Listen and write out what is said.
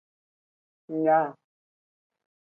Nya.